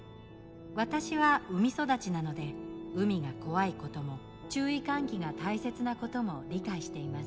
わたしは海育ちなので海が怖いことも注意喚起が大切なことも理解しています。